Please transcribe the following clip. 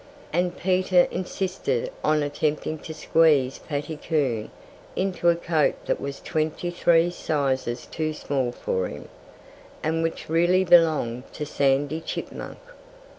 And Peter insisted on attempting to squeeze Fatty Coon into a coat that was twenty three sizes too small for him, and which really belonged to Sandy Chipmunk.